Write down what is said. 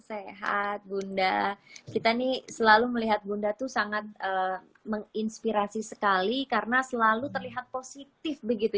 sehat bunda kita nih selalu melihat bunda tuh sangat menginspirasi sekali karena selalu terlihat positif begitu